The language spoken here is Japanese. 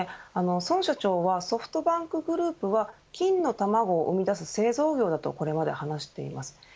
孫社長はソフトバンクグループは金の卵を生み出す製造業だとこれまで話しています。